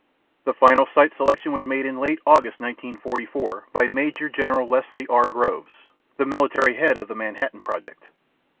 The final site selection was made in late August 1944 by Major General Leslie R. Groves, the military head of the Manhattan Project.